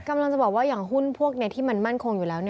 กำลังจะบอกว่าอย่างหุ้นพวกนี้ที่มันมั่นคงอยู่แล้ว